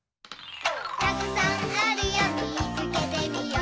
「たくさんあるよみつけてみよう」